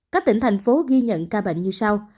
các tỉnh thành phố ghi nhận ca bệnh như sau